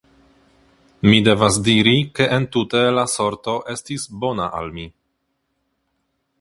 Mi devas diri, ke entute la sorto estis bona al mi.